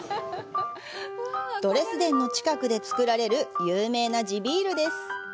ドレスデンの近くで作られる有名な地ビールです。